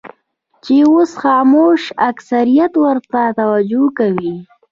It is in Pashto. چې اوس خاموش اکثریت ورته توجه کوي.